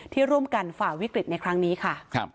ที่ร่วมกันฝ่าวิกฤตในครั้งนี้ค่ะ